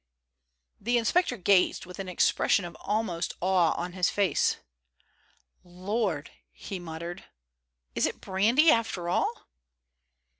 The inspector gazed with an expression of almost awe on his face. "Lord!" he muttered. "Is it brandy after all?"